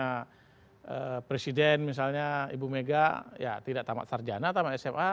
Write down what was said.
karena presiden misalnya ibu mega ya tidak tamat sarjana tamat sma